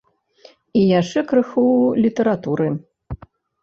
І яшчэ крыху літаратуры.